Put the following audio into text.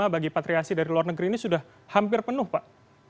bagi patriasi dari luar negeri ini sudah hampir penuh pak